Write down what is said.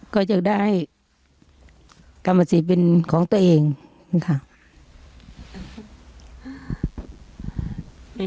ก็อยากได้กรรมสิทธิ์เป็นของตัวเองค่ะ